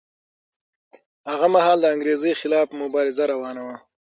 هغه مهال د انګریزۍ خلاف مبارزه روانه وه.